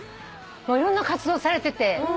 いろんな活動されてて。